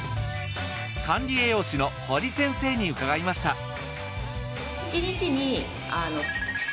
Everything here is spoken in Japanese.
管理栄養士の堀先生に伺いました。